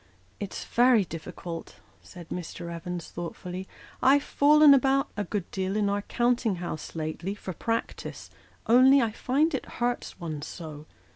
" It's very difficult," said Mr. Evans, thoughtfully ;" I've fallen about, a good deal, in our counting house lately, for practice, only I find it hurts one so.